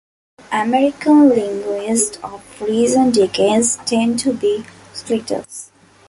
American linguists of recent decades tend to be splitters.